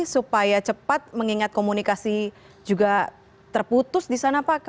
supaya cepat mengingat komunikasi juga terputus di sana pak